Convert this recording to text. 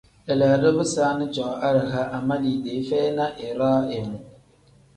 Leleedo bisaani cooo araha ama liidee feyi na iraa imu.